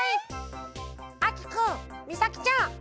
あきくんみさきちゃん。